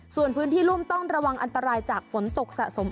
ส่วนพื้นที่รุ่มต้องระวังอันตรายจากฝนตกสะสม